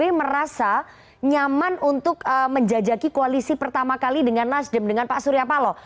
artinya pak sby merasa nyaman untuk menjajaki koalisi pertama kali dengan nasdem dengan pak suryapalo